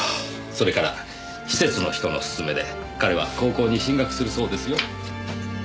それから施設の人の薦めで彼は高校に進学するそうですよ。